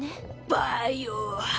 バイオハ。